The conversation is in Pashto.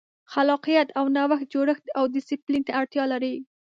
خلاقیت او نوښت جوړښت او ډیسپلین ته اړتیا لري.